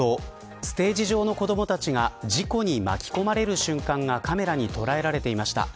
ステージ上の子どもたちが事故に巻き込まれる瞬間がカメラに捉えられていました。